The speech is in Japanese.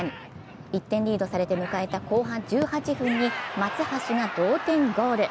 １点リードされて迎えた後半１８分に松橋が同点ゴール。